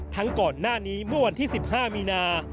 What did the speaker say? ก่อนหน้านี้เมื่อวันที่๑๕มีนา